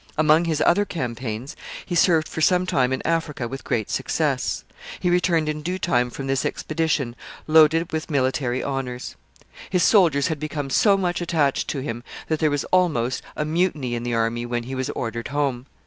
Among his other campaigns, he served for some time in Africa with great success. He returned in due time from this expedition, loaded with military honors. His soldiers had become so much attached to him that there was almost a mutiny in the army when he was ordered home.